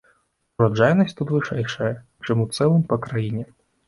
Ураджайнасць тут вышэйшая, чым у цэлым па краіне.